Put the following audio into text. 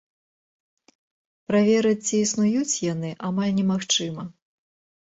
Праверыць, ці існуюць яны, амаль немагчыма.